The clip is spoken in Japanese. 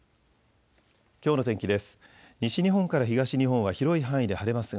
きょうの天気です。